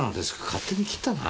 勝手に切ったな。